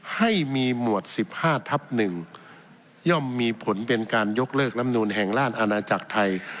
ให้มีหมวด๑๕ทับ๑ย่อมมีผลเป็นการยกเลิกลำนูนแห่งราชอาณาจักรไทย